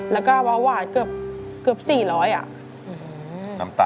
แล้วก็วาววาดเกือบ๔๐๐บาท